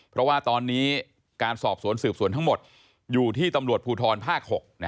เพราะว่าตอนนี้การสอบสวนสืบสวนทั้งหมดอยู่ที่ตำรวจภูทรภาค๖